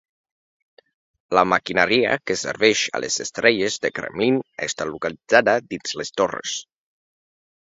La maquinària que serveix a les estrelles del Kremlin està localitzada dins de les torres.